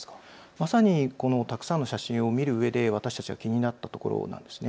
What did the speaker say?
まさにこのたくさんの写真を見るうえで私たちが気になったところなんです。